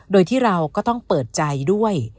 โดยที่เราก็ต้องเปิดใจด้วย